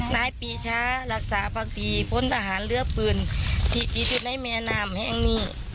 น้ายปีช้ารักษาภักดีพ้นทหารเรื้อปืนที่ดีจุดในแม่นามแห่งนี้